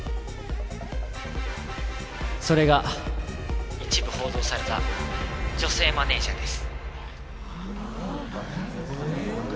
それが一部報道された女性マネージャーです。